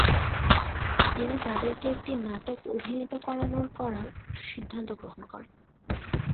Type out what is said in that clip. তিনি তাদেরকে একটি নাটক অভিনীত করানোর করার সিদ্ধান্ত গ্রহণ করেন।